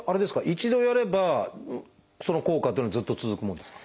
一度やればその効果っていうのはずっと続くものですか？